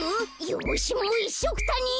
よしもういっしょくたに。